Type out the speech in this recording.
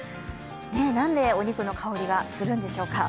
何でお肉の香りがするんでしょうか。